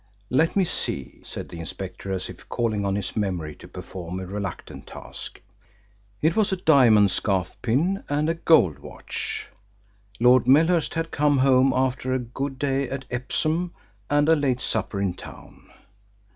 "Let me see," said the inspector, as if calling on his memory to perform a reluctant task. "It was a diamond scarf pin and a gold watch. Lord Melhurst had come home after a good day at Epsom and a late supper in town.